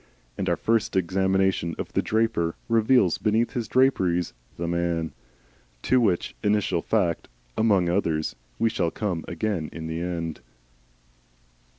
And our first examination of the draper reveals beneath his draperies the man! To which initial fact (among others) we shall come again in the end.